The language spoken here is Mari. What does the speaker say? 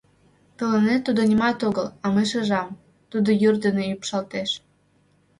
Тыланет тудо нимат огыл, а мый шижам — тудо йӱр дене ӱпшалтеш.